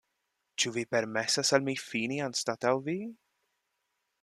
Ĉu vi permesas al mi fini anstataŭ vi?